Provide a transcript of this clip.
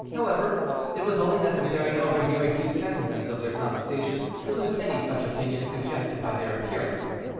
However, it was only necessary to overhear a few sentences of their conversation to lose any such opinion suggested by their appearance.